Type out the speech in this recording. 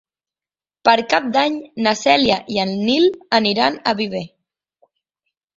Per Cap d'Any na Cèlia i en Nil aniran a Viver.